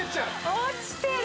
落ちてる！